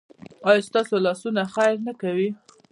ایا ستاسو لاسونه خیر نه کوي؟